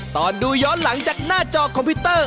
ตอนดูย้อนหลังจากหน้าจอคอมพิวเตอร์